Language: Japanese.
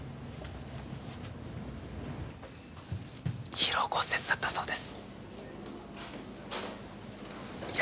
疲労骨折だったそうです。